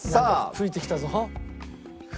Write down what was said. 吹いてきたぞ。